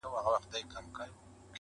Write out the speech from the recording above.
اوس هره شپه سپينه سپوږمۍ.